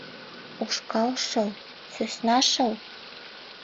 Ушкал шыл, сӧсна шыл?